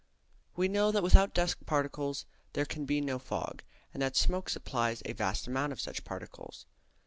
We know that without dust particles there can be no fog, and that smoke supplies a vast amount of such particles.